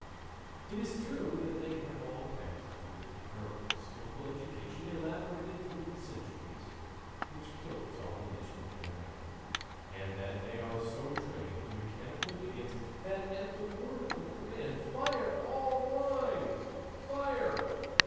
It is true that they have all passed through that terrible, skillful education, elaborated through centuries, which kills all initiative in a man, and that they are so trained to mechanical obedience that at the word of command: "Fire! All the line! Fire!"